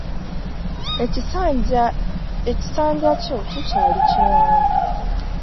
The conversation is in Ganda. Ekisanja kyo kikyali kiwanvu.